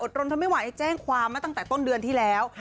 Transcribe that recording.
รนทนไม่ไหวแจ้งความมาตั้งแต่ต้นเดือนที่แล้ว